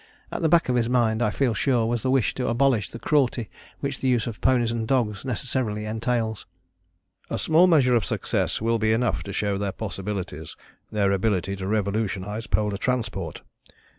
At the back of his mind, I feel sure, was the wish to abolish the cruelty which the use of ponies and dogs necessarily entails. "A small measure of success will be enough to show their possibilities, their ability to revolutionize polar transport.